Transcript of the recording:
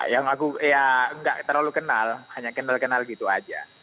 yang aku ya nggak terlalu kenal hanya kenal kenal gitu aja